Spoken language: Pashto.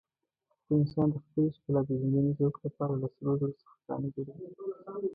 خو انسان د خپل ښکلاپېژندنې ذوق لپاره له سرو زرو څخه ګاڼې جوړوي.